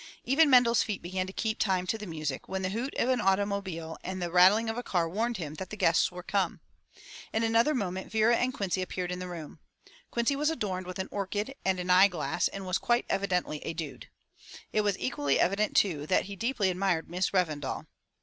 Even Mendel's feet began to keep time to the music, when the hoot of an automobile and the rattling of a car warned him that the guests were come. In another moment Vera and Quincy appeared in the room. Quincy was adorned with an orchid and an eye glass and was quite evidently a dude. It was equally evident, too, that he deeply admired Miss Revendal.